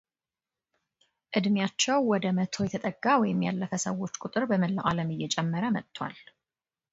ዕድሜያቸው ወደ መቶ የተጠጋ ወይም ያለፈ ሰዎች ቁጥር በመላው ዓለም እየጨመረ መጥቷል።